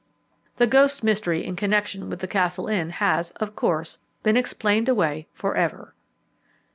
The ghost mystery in connection with the Castle Inn has, of course, been explained away for ever.